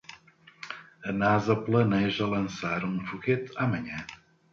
A Nasa planeja lançar um foguete amanhã.